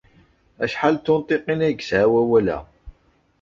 Acḥal n tunṭiqin ay yesɛa wawal-a?